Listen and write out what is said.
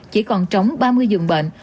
chỉ còn trống ba mươi dường bệnh